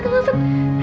bikin malu aja pakai dia